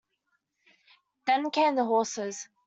Then came the horses.